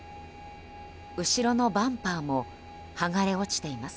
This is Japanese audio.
後ろのバンパーも剥がれ落ちています。